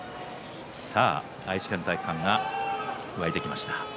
愛知県体育館、湧いてきました。